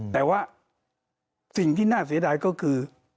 แต่ว่าสิ่งที่น่าเสียดายก็คือ